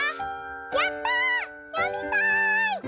「やった！よみたい！」。